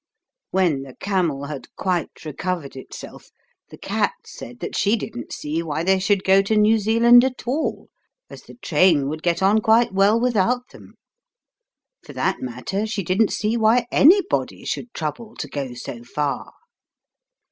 When the camel had quite recovered itself, the cat said that she didn't see why they should go to New Zealand at all, as the train would get on quite well without them. For that matter, she didn't see why anybody should trouble to go so far.